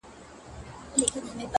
رحمت الله درد